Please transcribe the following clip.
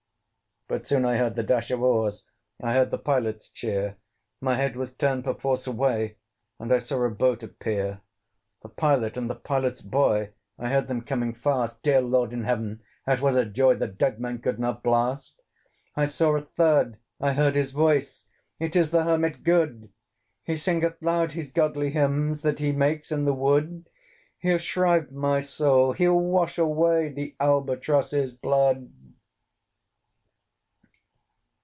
But soon I heard the dash of oars; I heard the Pilot's cheer; My head was turned perforce away, And I saw a boat appear. The Pilot, and the Pilot's boy, I heard them coming fast: Dear Lord in Heaven! it was a joy The dead men could not blast. I saw a third I heard his voice: It is the Hermit good! He singeth loud his godly hymns That he makes in the wood. He'll shrieve my soul, he'll wash away The Albatross's blood.